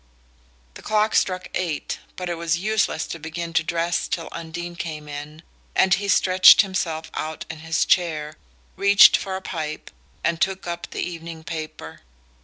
The clock struck eight, but it was useless to begin to dress till Undine came in, and he stretched himself out in his chair, reached for a pipe and took up the evening paper.